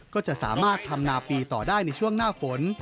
ก็จะสามารถทำนาปีต่อได้ในช่วงหน้าฝน